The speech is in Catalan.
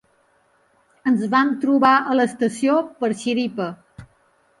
Ens vam trobar a l'estació per xiripa.